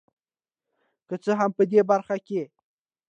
که څه هم په دې برخه کې